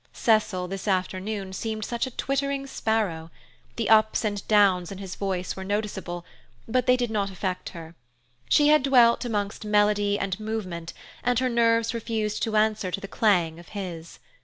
Cecil, this afternoon seemed such a twittering sparrow. The ups and downs in his voice were noticeable, but they did not affect her. She had dwelt amongst melody and movement, and her nerves refused to answer to the clang of his.